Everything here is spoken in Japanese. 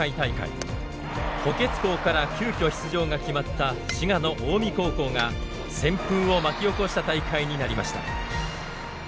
補欠校から急きょ出場が決まった滋賀の近江高校が旋風を巻き起こした大会になりました。